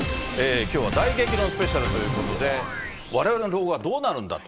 きょうは大激論スペシャルということで、われわれの老後はどうなるんだと。